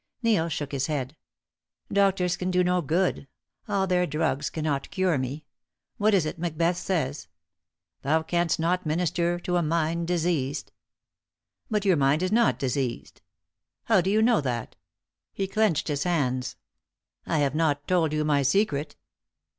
Neil shook his head. "Doctors can do no good; all their drugs cannot cure me. What is it Macbeth says, 'Thou canst not minister to a mind diseased.'" "But your mind is not diseased." "How do you know that?" He clenched his hands. "I have not told you my secret."